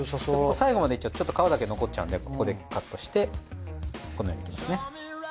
最後までいっちゃうとちょっと皮だけ残っちゃうんでここでカットしてこのようにですね。